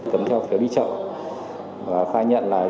cấm theo phiếu đi chợ và khai nhận là